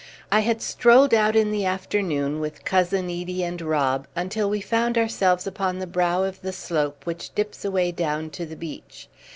I had strolled out in 'the afternoon with Cousin Edie and Rob, until we found ourselves upon the brow of the slope which dips away down to the beach.